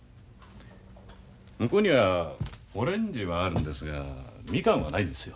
向こうにはオレンジはあるんですがみかんはないんですよ。